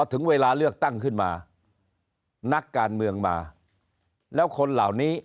ถึงเวลาเลือกตั้งขึ้นมานักการเมืองมาแล้วคนเหล่านี้